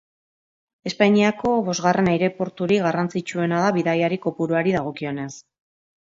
Espainiako bosgarren aireporturik garrantzitsuena da bidaiari kopuruari dagokionez.